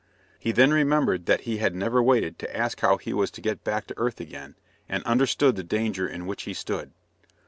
He then remembered that he had never waited to ask how he was to get back to earth again, and understood the danger in which he stood.